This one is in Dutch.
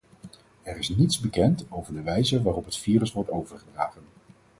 Er is niets bekend over de wijze waarop het virus wordt overgedragen.